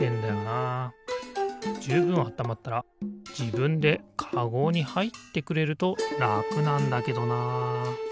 じゅうぶんあったまったらじぶんでかごにはいってくれるとらくなんだけどな。